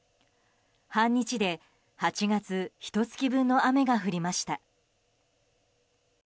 半日で８月ひと月分の雨が降りました。